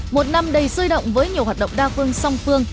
một năm đầy sôi động với nhiều hoạt động đa phương song phương